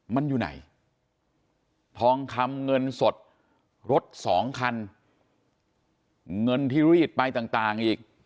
มันอยู่ไหนทองคำเงินสดรถสองคันเงินที่รีดไปต่างอีก